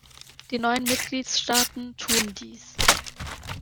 Die neuen Mitgliedstaaten tun dies.